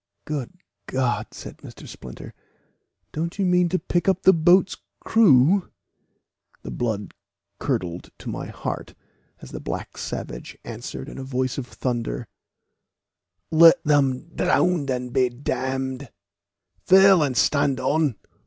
"Good God," said Mr. Splinter, "don't you mean to pick up the boat's crew?" The blood curdled to my heart, as the black savage answered in a voice of thunder, "Let them drown and be d d! Fill, and stand on!"